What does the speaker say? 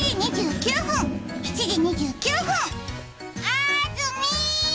あずみ。